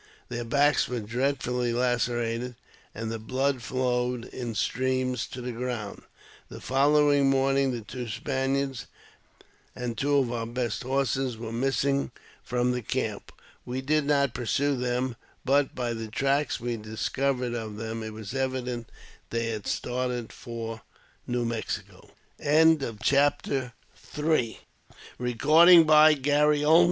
Their backs were dreadfully lacerated, and the blood flowed in streams to the ground. The following morning the two Spaniards, and two of our best horses, were missing from the camp ; we did not pursue them, but, by the tracks we discovered of them, it was evident they had started for Ne